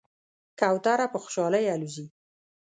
کوتره په خوشحالۍ الوزي.